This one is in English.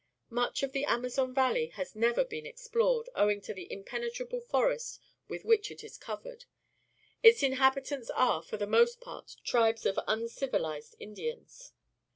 Much of the .Amazon Valley has never been explored, owing to the impenetrable forest with which it is covered. Its inhabitants are, for the most part, tribes of uncivilized Indians.